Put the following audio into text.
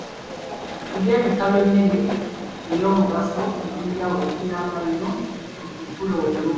Okulya bika by'emmere ey'omugaso eby'enjawulo kiyamba nnyo mu kukula obulungi.